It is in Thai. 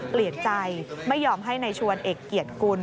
เปลี่ยนใจไม่ยอมให้นายชวนเอกเกียรติกุล